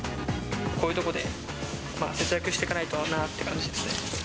こういうところで節約していかないとなっていう感じですね。